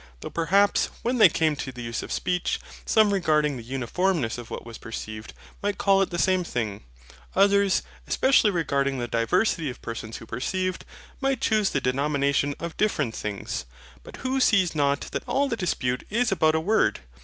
Though perhaps, when they came to the use of speech, some regarding the uniformness of what was perceived, might call it the SAME thing: others, especially regarding the diversity of persons who perceived, might choose the denomination of DIFFERENT things. But who sees not that all the dispute is about a word?